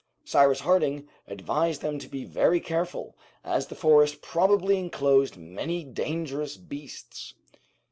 Cyrus Harding advised them to be very careful, as the forest probably enclosed many dangerous beasts.